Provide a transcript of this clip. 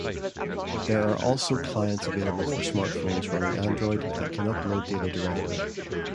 There are also clients available for smartphones running Android that can upload data directly.